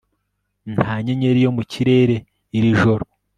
Nta nyenyeri yo mu kirere iri joro